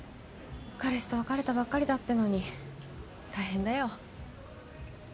彼氏と別れたばっかりだってのに大変だよ。